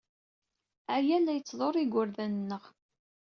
Aya la yettḍurru igerdan-nneɣ.